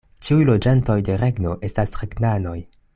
Ĉiuj loĝantoj de regno estas regnanoj.